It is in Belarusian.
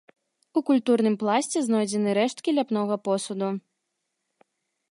У культурным пласце знойдзены рэшткі ляпнога посуду.